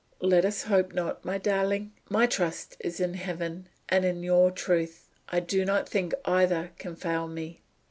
"Let us hope not, my darling. My trust is in heaven, and in your truth. I do not think either can fail me.